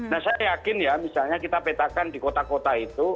nah saya yakin ya misalnya kita petakan di kota kota itu